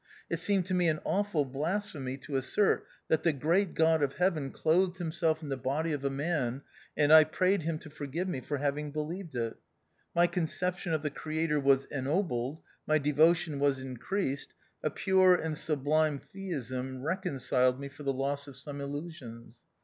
It seemed to me an awful blasphemy to assert that the great God of heaven clothed himself in the THE OUTCAST. 105 body of a man, and I prayed him to forgive me for having believed it. My conception of the Creator was ennobled, my devotion was increased, a pure and sublime Theism reconciled me for the loss of some illusions.